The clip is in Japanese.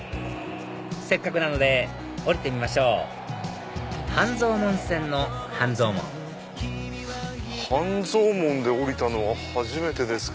せっかくなので降りてみましょう半蔵門線の半蔵門半蔵門で降りたのは初めてです。